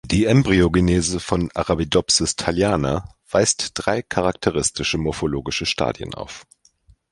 Die Embryogenese von "Arabidopsis thaliana" weist drei charakteristische morphologische Stadien auf.